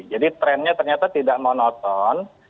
jadi trennya ternyata tidak monoton